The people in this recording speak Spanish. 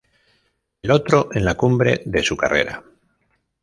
El otro, en la cumbre de su carrera.